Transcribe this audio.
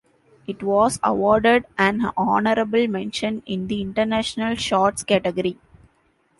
It was awarded an honorable mention in the international shorts category.